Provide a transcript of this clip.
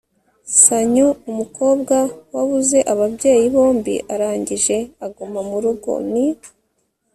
sanyu, umukobwa wabuze ababyeyi bombi arangije aguma murugo, ni